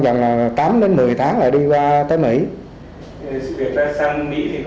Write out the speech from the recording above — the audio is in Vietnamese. việc ra sang mỹ thì có thực hiện không